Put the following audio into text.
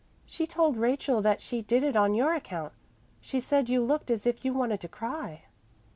"She told Rachel that she did it on your account. She said you looked as if you wanted to cry."